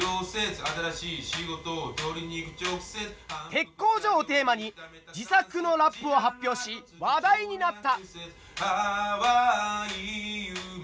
鉄工所をテーマに自作のラップを発表し話題になった。